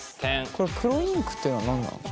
これ黒インクっていうのは何なの？